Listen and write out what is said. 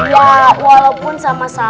ya walaupun sama sekali